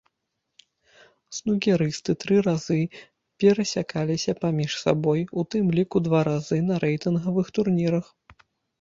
Снукерысты тры разы перасякаліся паміж сабой, у тым ліку два разы на рэйтынгавых турнірах.